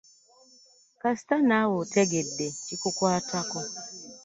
Kasita naawe otegedde kikukwatako.